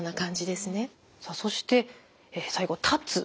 さあそして最後立つ。